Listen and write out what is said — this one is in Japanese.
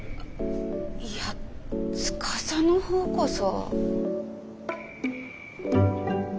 いや司のほうこそ。